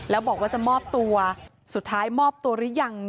แล้วบอกว่าจะมอบตัวสุดท้ายมอบตัวหรือยัง